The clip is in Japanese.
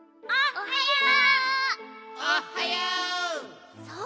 おはよう！